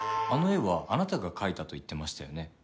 あの絵はあなたが描いたと言ってましたよね？